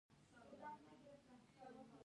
د سیاسي ګوندونو فعال غړي ځوانان دي.